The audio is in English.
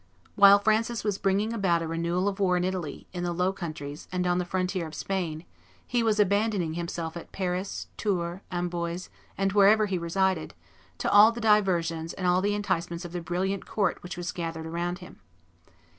While Francis was bringing about a renewal of war in Italy, in the Low Countries, and on the frontier of Spain, he was abandoning himself at Paris, Tours, Amboise, and wherever he resided, to all the diversions and all the enticements of the brilliant court which was gathered around him.